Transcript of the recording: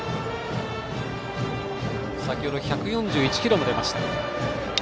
先程、１４１キロも出ました。